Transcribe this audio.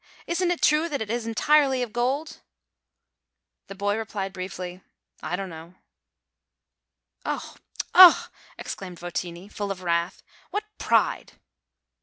isn't it true that it is entirely of gold?" The boy replied briefly, "I don't know." "Oh! Oh!" exclaimed Votini, full of wrath, "what pride